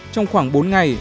trong khoảng bốn ngày